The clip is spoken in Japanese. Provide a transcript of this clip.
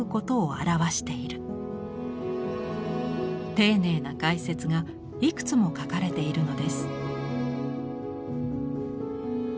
丁寧な解説がいくつも書かれているのです。